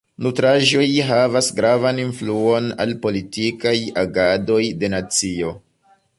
Nutraĵoj havas gravan influon al politikaj agadoj de nacio.